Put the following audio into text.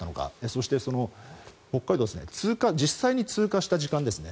そして、北海道を実際に通過した時間ですね